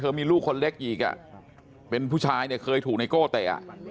เธอมีลูกคนเล็กอีกอ่ะเป็นผู้ชายเนี่ยเคยถูกนายโก้เตะอ่ะ